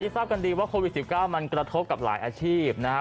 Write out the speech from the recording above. ทราบกันดีว่าโควิด๑๙มันกระทบกับหลายอาชีพนะครับ